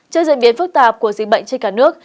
trước diễn biến phức tạp của dịch bệnh trên cả nước